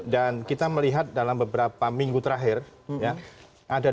dan kita melihat dalam beberapa minggu terakhir ya